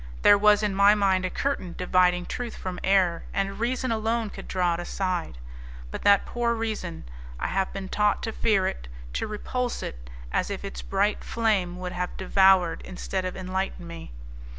There was in my mind a curtain dividing truth from error, and reason alone could draw it aside, but that poor reason I had been taught to fear it, to repulse it, as if its bright flame would have devoured, instead of enlightening me.